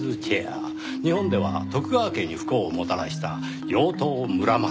日本では徳川家に不幸をもたらした妖刀村正。